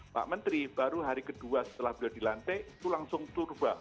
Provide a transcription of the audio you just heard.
pak menteri baru hari kedua setelah berada di lantai itu langsung turba